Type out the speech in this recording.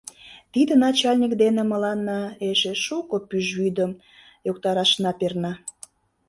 — Тиде начальник дене мыланна эше шуко пӱжвӱдым йоктарашна перна.